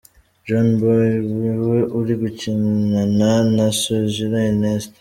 John Boye niwe uri gukinana na Sugira Ernest.